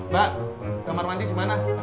mbak kamar mandi dimana